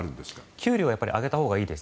給料は上げたほうがいいです。